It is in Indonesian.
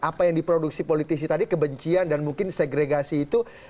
apa yang diproduksi politisi tadi kebencian dan mungkin segregasi itu